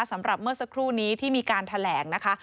สำหรับเมื่อสักครู่นี้ที่มีการแถลงนะคะ